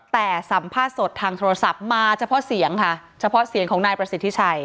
แต่สัมภาษณ์สดทางโทรศัพท์มาเฉพาะเสียงค่ะเฉพาะเสียงของนายประสิทธิชัย